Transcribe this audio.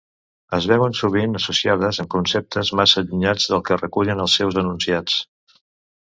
Es veuen sovint associades amb conceptes massa allunyats del que recullen els seus enunciats.